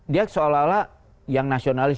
dia seolah olah yang nasionalis